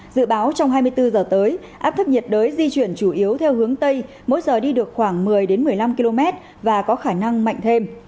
dự báo trong hai mươi bốn giờ tới áp thấp nhiệt đới di chuyển chủ yếu theo hướng tây mỗi giờ đi được khoảng một mươi một mươi năm km và có khả năng mạnh thêm